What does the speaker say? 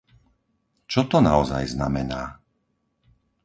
Čo to naozaj znamená?